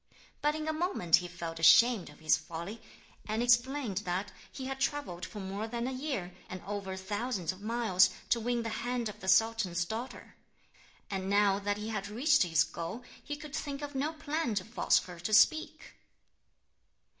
But in a moment he felt ashamed of his folly, and explained that he had travelled for more than a year, and over thousands of miles, to win the hand of the sultan's daughter. And now that he had reached his goal he could think of no plan to force her to speak.